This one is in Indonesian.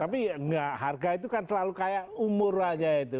tapi harga itu kan selalu kayak umur aja gitu